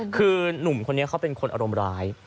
คือหนุ่มคนนี้เขาเป็นคนอารมณ์ร้าย